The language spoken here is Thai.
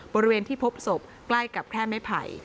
บริเวณที่พบศพใกล้กับแค่ไม้ไผ่